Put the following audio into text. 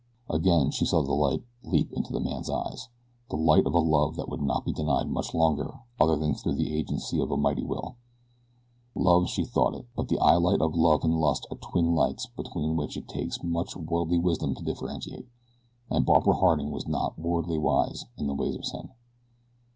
Again she saw the light leap to the man's eyes the light of a love that would not be denied much longer other than through the agency of a mighty will. Love she thought it; but the eye light of love and lust are twin lights between which it takes much worldly wisdom to differentiate, and Barbara Harding was not worldly wise in the ways of sin.